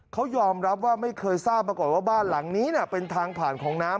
เขายอมรับว่าไม่เคยทราบมาก่อนว่าบ้านหลังนี้เป็นทางผ่านของน้ำ